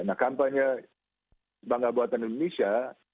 nah kampanye bank jabatan indonesia